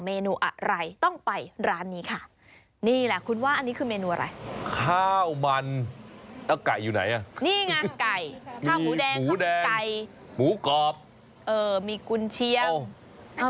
มันแล้วไก่อยู่ไหนนี่ไงไก่ข้าวหมูแดงหมูแดงหมูกรอบเออมีกุญเชียง